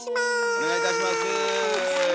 お願いいたします。